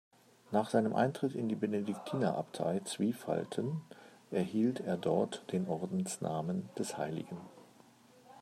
Nach seinem Eintritt in die Benediktinerabtei Zwiefalten erhielt er dort den Ordensnamen des Hl.